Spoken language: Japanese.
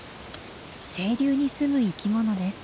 清流に住む生きものです。